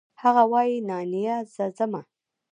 هغه وايي نانيه زه ځمه.